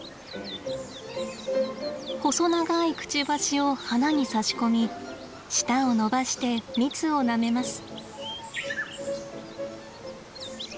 細長いくちばしを花にさし込み舌を伸ばして蜜をなめます。